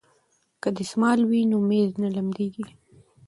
که دستمال وي نو میز نه لمدیږي.